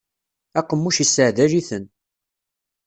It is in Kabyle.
Aqemmuc isseɛdal-iten.